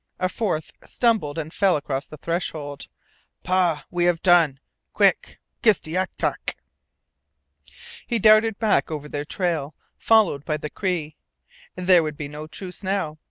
A fourth stumbled and fell across the threshold. "Pa! We have done. Quick kistayetak!" He darted back over their trail, followed by the Cree. There would be no truce now!